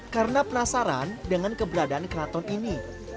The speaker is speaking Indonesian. karena penasaran dengan keberadaan keraton ini